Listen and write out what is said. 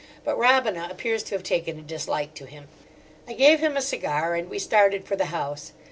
But Robina appears to have taken a dislike to him. I gave him a cigar, and we started for the house.